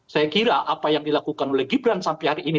saya kira apa yang dilakukan oleh gibran sampai hari ini